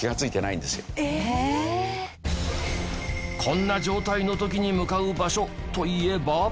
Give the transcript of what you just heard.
こんな状態の時に向かう場所といえば。